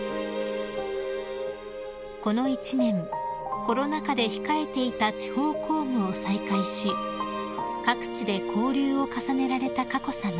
［この一年コロナ禍で控えていた地方公務を再開し各地で交流を重ねられた佳子さま］